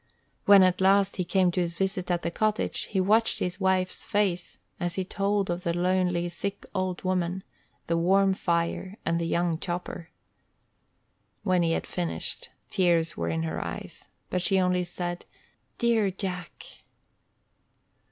When, at last, he came to his visit at the cottage, he watched his wife's face, as he told of the lonely, sick old woman, the warm fire, and the young chopper. When he had finished, tears were in her eyes, but she only said, "Dear Jack!"